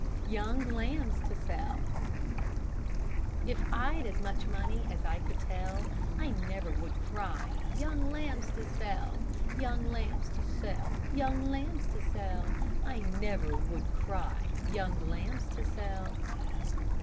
YOUNG LAMBS TO SELL If I'd as much money as I could tell, I never would cry young lambs to sell; Young lambs to sell, young lambs to sell; I never would cry young lambs to sell.